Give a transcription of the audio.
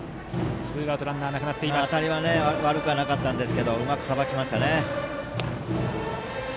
当たりは悪くなかったんですけどうまく、さばきましたね。